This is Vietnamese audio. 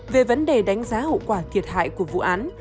về vấn đề đánh giá hậu quả thiệt hại của vụ án